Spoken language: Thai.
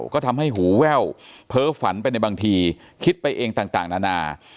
ก็ทำให้หูแว่วเพ้อฝันไปในบางทีคิดไปเองต่างนานา